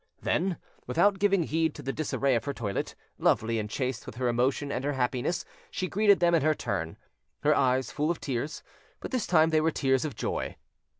Then, without giving heed to the disarray of her toilet, lovely and chaste with her emotion and her happiness, she greeted them in her turn, her eyes full of tears; but this time they were tears of joy.